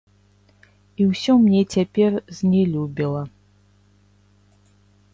І ўсё мне цяпер знелюбела.